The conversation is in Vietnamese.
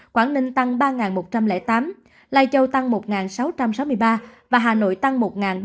quảng ninh tăng ba một trăm linh tám lai châu tăng một sáu trăm sáu mươi ba và hà nội tăng một ba trăm ba mươi ba